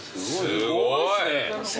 すごい！